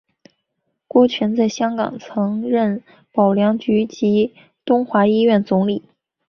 郭泉在香港曾任保良局及东华医院总理。